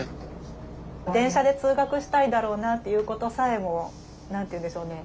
電車で通学したいだろうなっていうことさえも何て言うんでしょうね